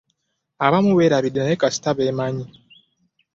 Abamu mbeerabidde naye kasita beemanyi.